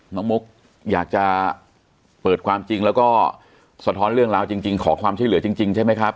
มุกอยากจะเปิดความจริงแล้วก็สะท้อนเรื่องราวจริงขอความช่วยเหลือจริงใช่ไหมครับ